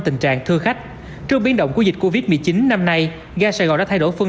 tình trạng thương khách trước biến động của dịch covid một mươi chín năm nay ga sài gòn đã thay đổi phương